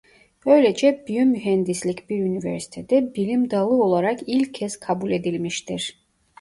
Böylece biyomühendislik bir üniversitede bilim dalı olarak ilk kez kabul edilmiştir.